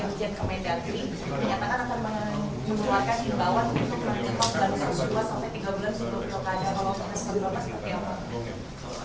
menyatakan akan mengeluarkan imbawan untuk menutup bansos dua tiga bulan untuk lokanya